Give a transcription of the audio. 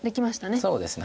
そうですね。